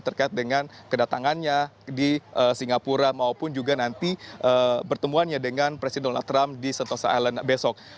terkait dengan kedatangannya di singapura maupun juga nanti pertemuannya dengan presiden donald trump di sentosa island besok